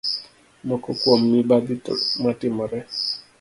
Moko kuom mibadhi ma timore